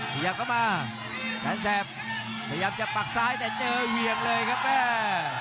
พยายามจะมาก็มาแซมพยายามจะปักซ้ายแต่เจอเหวียงเลยครับแม่